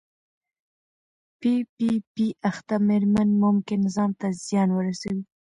پی پي پي اخته مېرمنې ممکن ځان ته زیان ورسوي.